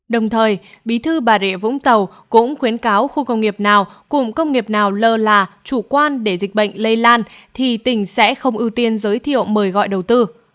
đồng thời bí thư bà rịa vũng tàu cũng khuyến cáo khu công nghiệp nào cụm công nghiệp nào lơ là chủ quan để dịch bệnh lây lan thì tỉnh sẽ không ưu tiên giới thiệu mời gọi đầu tư